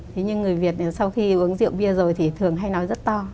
thế nhưng người việt sau khi uống rượu bia rồi thì thường hay nói rất to